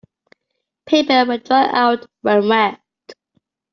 Paper will dry out when wet.